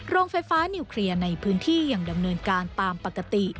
โรงไฟฟ้านิวเคลียร์ในพื้นที่ยังดำเนินการตามปกติ